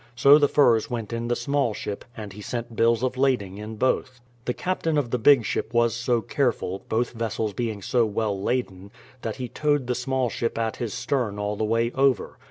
So the furs went in the small ship, and he sent bills of lading in both. The captain of the big ship was so careful, both vessels being so well laden, that he towed the small ship at his stern all the way over.